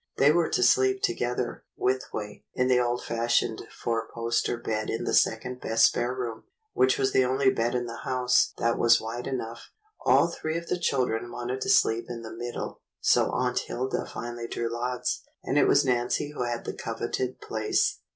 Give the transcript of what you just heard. They were to sleep together, width way, in the old fashioned four poster bed in the second best spare room, which was the only bed in the house that was wide enough. All three of the children wanted to sleep in the mid dle, so Aunt Hilda finally drew lots, and it was Nancy who had the coveted place.